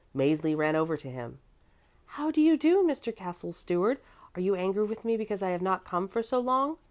Mäzli ran over to him. "How do you do, Mr. Castle Steward? Are you angry with me because I have not come for so long?"